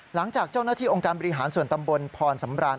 หลังจากเจ้าหน้าที่องค์การบริหารส่วนตำบลพรสำราน